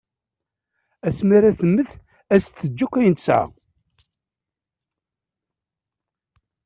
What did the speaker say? Asma ara temmet as-d-teǧǧ akk ayen tesɛa.